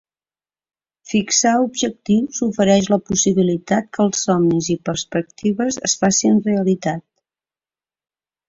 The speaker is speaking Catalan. Fixar objectius ofereix la possibilitat que els somnis i perspectives es facin realitat.